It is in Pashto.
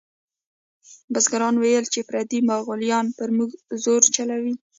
بزګرانو ویل چې پردي مغولیان پر موږ زور چلوي.